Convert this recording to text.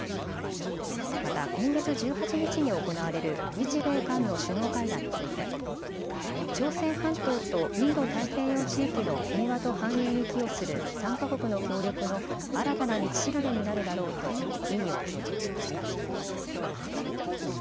また今月１８日に行われる日米韓の首脳会談について朝鮮半島とインド太平洋地域の平和と繁栄に寄与する３か国の協力の新たな道しるべになるだろうと意義を強調しました。